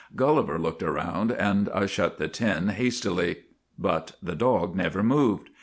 Gulliver looked around, and I shut the tin hastily. But the dog never moved.